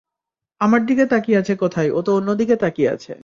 আমার দিকে তাকিয়ে আছে কোথায় ও তো অন্যদিকে তাকিয়ে আছে।